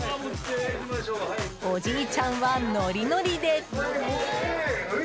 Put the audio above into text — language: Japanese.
おじいちゃんはノリノリで。